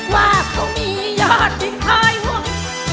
ว่าเขามียอดที่คอยห่วง